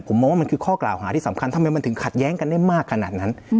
ผมมองว่ามันคือข้อกล่าวหาที่สำคัญทำไมมันถึงขัดแย้งกันได้มากขนาดนั้น